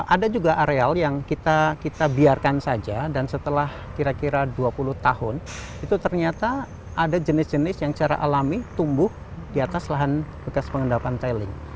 ada juga areal yang kita biarkan saja dan setelah kira kira dua puluh tahun itu ternyata ada jenis jenis yang secara alami tumbuh di atas lahan bekas pengendapan tiling